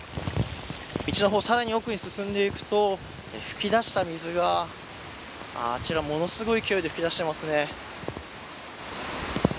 道の方、さらに奥に進んでいくと吹き出した水があちら、ものすごい勢いで吹き出していますね。